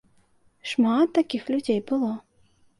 Шмат такіх людзей было.